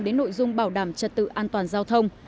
đến nội dung bảo đảm trật tự an toàn giao thông